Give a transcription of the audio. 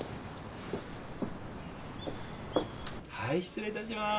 失礼いたします。